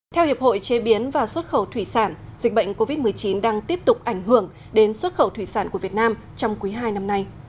theo hiệp hội chế biến và xuất khẩu thủy sản dịch bệnh covid một mươi chín đang tiếp tục ảnh hưởng đến xuất khẩu thủy sản của việt nam trong quý hai năm nay